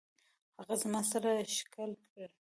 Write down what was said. هغه زما سر ښکل کړ.